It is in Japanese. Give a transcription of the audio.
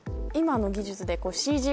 今の技術で。